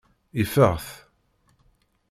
Ifeɣ-t.